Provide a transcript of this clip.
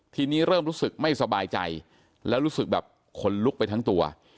ทีนี้เริ่มรู้สึกไม่สบายใจแล้วรู้สึกแบบขนลุกไปทั้งตัว